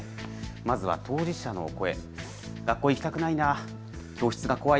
まずは当事者の声。